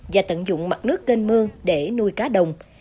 và tận dụng mặt nước kênh mương để nuôi cá đồng